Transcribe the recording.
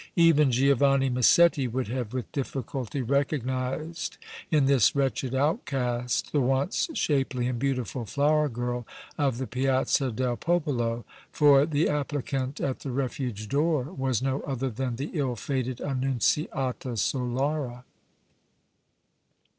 Even Giovanni Massetti would have with difficulty recognized in this wretched outcast the once shapely and beautiful flower girl of the Piazza del Popolo, for the applicant at the Refuge door was no other than the ill fated Annunziata Solara.